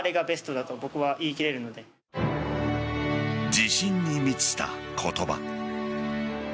自信に満ちた言葉。